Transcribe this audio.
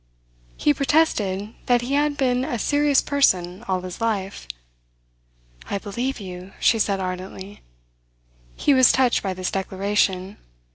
He protested that he had been a serious person all his life. "I believe you," she said ardently. He was touched by this declaration.